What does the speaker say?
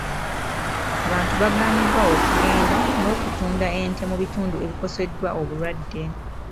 Abantu bagaaniddwa okugenda n'okutunda ente mu bitundu ebikoseddwa obulwadde.